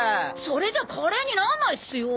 それじゃカレーになんないっすよ。